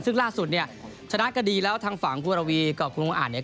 ซึ่งล่าสุดเนี่ยชนะคดีแล้วทางฝั่งคุณวรวีกับคุณลุงอ่านเนี่ย